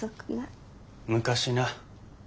昔な。